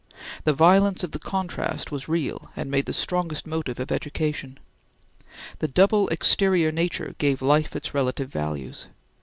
The violence of the contrast was real and made the strongest motive of education. The double exterior nature gave life its relative values.